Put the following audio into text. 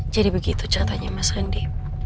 jadi begitu catanya mas rendy